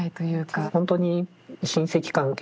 本当に親戚関係